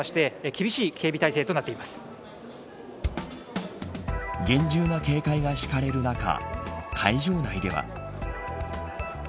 厳重な警戒が敷かれる中会場内では。